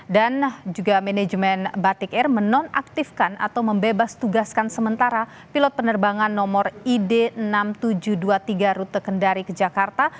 dan juga manajemen batik air menonaktifkan atau membebas tugaskan sementara pilot penerbangan nomor id enam ribu tujuh ratus dua puluh tiga rute kendari ke jakarta